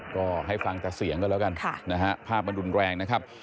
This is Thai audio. ก็ให้ฟังแต่เสียงก็แล้วกันนะฮะภาพมันรุนแรงนะครับ